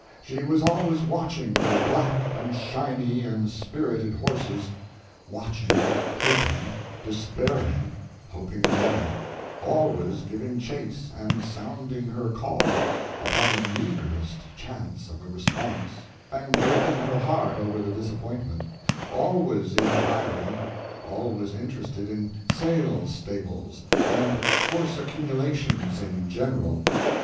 She was always watching for black and shiny and spirited horses—watching, hoping, despairing, hoping again; always giving chase and sounding her call, upon the meagrest chance of a response, and breaking her heart over the disappointment; always inquiring, always interested in sales stables and horse accumulations in general.